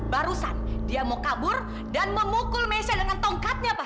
barusan dia mau kabur dan memukul messa dengan tongkatnya pak